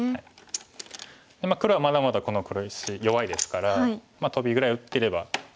黒はまだまだこの黒石弱いですからトビぐらい打ってれば。